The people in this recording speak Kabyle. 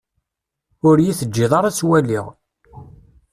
Ur yi-teǧǧiḍ ara ad tt-waliɣ.